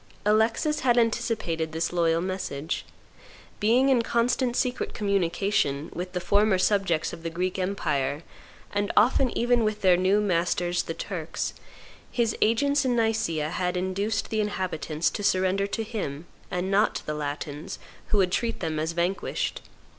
Alexis had anticipated this loyal message. Being in constant secret communication with the former subjects of the Greek empire, and often even with their new masters the Turks, his agents in Nicaea had induced the inhabitants to surrender to him, and not to the Latins, who would treat them as vanquished.